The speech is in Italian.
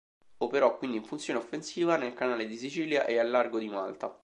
Operò quindi in funzione offensiva nel canale di Sicilia e al largo di Malta.